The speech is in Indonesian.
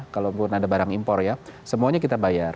kalaupun ada barang impor ya semuanya kita bayar